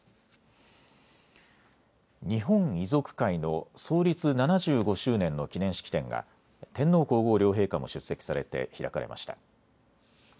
日本遺族会の創立７５周年の記念式典が天皇皇后両陛下も出席されて開かれました。